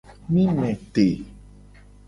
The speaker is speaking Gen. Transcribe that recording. Mi me te.